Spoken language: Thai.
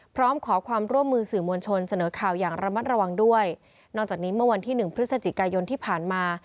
พร้อมขอความร่วมมือสื่อมวลชนเสนอข่าวอย่างระมัดระวังด้วยนอกจากนี้เมื่อวันที่หนึ่งพฤศจิกายนที่ผ่านมา